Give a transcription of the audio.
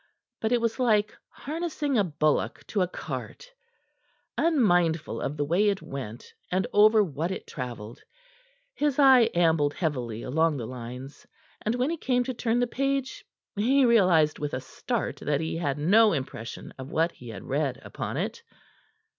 But it was like harnessing a bullock to a cart; unmindful of the way it went and over what it travelled, his eye ambled heavily along the lines, and when he came to turn the page he realized with a start that he had no impression of what he had read upon it.